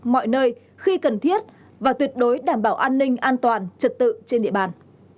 mọi nơi khi cần thiết và tuyệt đối đảm bảo an ninh an toàn trật tự trên địa bàn